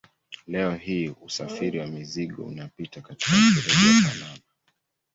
Leo hii usafiri wa mizigo unapita katika mfereji wa Panama.